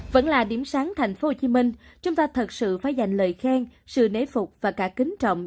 vẫn là điểm sáng thành phố hồ chí minh chúng ta thật sự phải dành lời khen sự nế phục và cả kính trọng